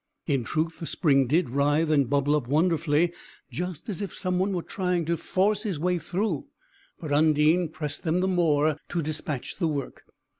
In truth, the spring did writhe and bubble up wonderfully, just as if someone were trying to force his way through; but Undine pressed them the more to dispatch the work.